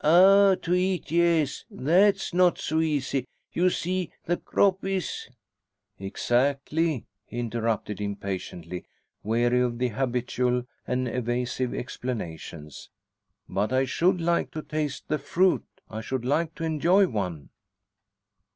"Ah, to eat, yes. That's not so easy. You see, the crop is " "Exactly," he interrupted impatiently, weary of the habitual and evasive explanations. "But I should like to taste the fruit. I should like to enjoy one."